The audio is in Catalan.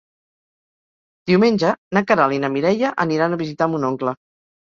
Diumenge na Queralt i na Mireia aniran a visitar mon oncle.